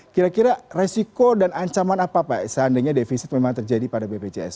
kira kira resiko dan ancaman apa pak seandainya defisit memang terjadi pada bpjs